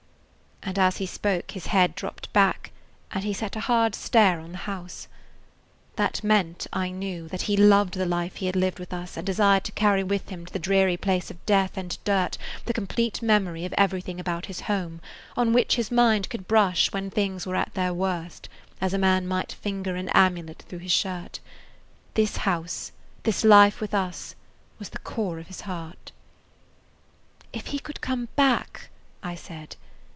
and as he spoke his head dropped back, and he set a hard stare on the house. That meant, I knew, that he loved the life he had lived with us and desired to carry with him to the dreary place of death and dirt the complete memory of everything about his home, on which his mind could brush when things were at their worst, as a man might finger an amulet through his shirt. This house, this life with us, was the core of his heart. "If he could come back!" I said.